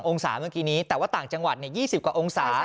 ศาเมื่อกี้นี้แต่ว่าต่างจังหวัด๒๐กว่าองศา